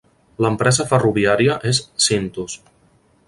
L'empresa ferroviària és Syntus.